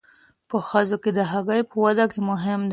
په ښځو کې د هګۍ په وده کې مهم دی.